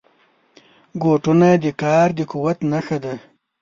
بوټونه د کار د قوت نښه ده.